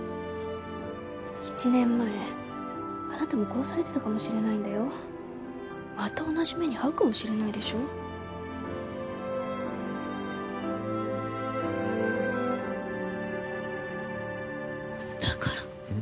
１年前あなたも殺されてたかもしれないんだよまた同じ目に遭うかもしれないでしょだからうん？